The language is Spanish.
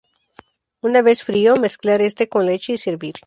Una vez frío mezclar este con leche y servir.